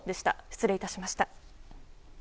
失礼いたしました。